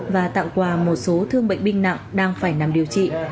và tặng quà một số thương bệnh binh nặng đang phải nằm điều trị